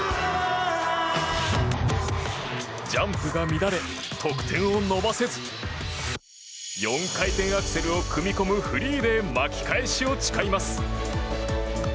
ジャンプが乱れ、得点を伸ばせず４回転アクセルを組み込むフリーで巻き返しを誓います。